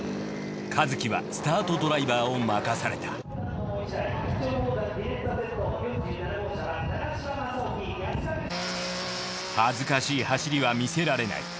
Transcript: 一樹はスタートドライバーを任された恥ずかしい走りは見せられない。